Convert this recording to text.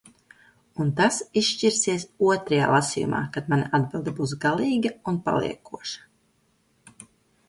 Un tas izšķirsies otrajā lasījumā, kad mana atbilde būs galīga un paliekoša.